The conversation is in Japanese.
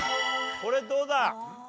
これどうだ？